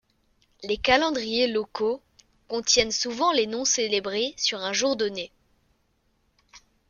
Les calendriers locaux contiennent souvent les noms célébrés sur un jour donné.